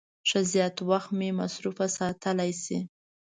ښه زیات وخت مې مصروف ساتلای شي.